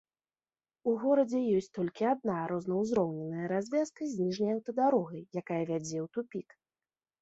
У горадзе ёсць толькі адна рознаўзроўневая развязка з ніжняй аўтадарогай, якая вядзе ў тупік.